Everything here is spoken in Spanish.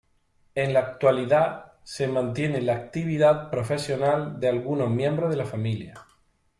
En la actualidad se mantiene la actividad profesional de algunos miembros de la familia.